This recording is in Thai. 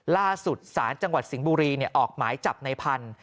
ล่าสุดศาลจังหวัดสิงห์บุรีออกหมายจับในพันธุ์